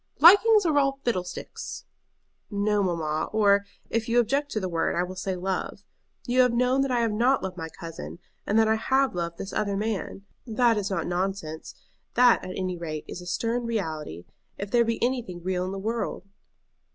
"Likings are all fiddlesticks!" "No, mamma; or, if you object to the word, I will say love. You have known that I have not loved my cousin, and that I have loved this other man. That is not nonsense; that at any rate is a stern reality, if there be anything real in the world."